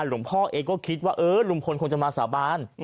หลวงพ่อเองก็คิดว่าเออลุงพลคงจะมาสาบาน